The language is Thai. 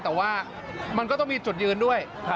แต่ว่ามันก็ต้องมีจุดยืนด้วย